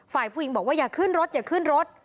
ฝ่ายผู้หญิงบอกว่าอย่าขึ้นรถอย่าขึ้นรถ